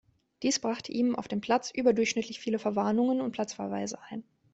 Dies brachte ihm auf dem Platz überdurchschnittlich viele Verwarnungen und Platzverweise ein.